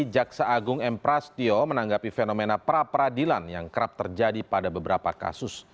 jaksa agung m prasetyo menanggapi fenomena pra peradilan yang kerap terjadi pada beberapa kasus